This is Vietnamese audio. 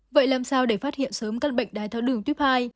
vậy làm sao để phát hiện sớm các bệnh đai tháo đường tuyếp hai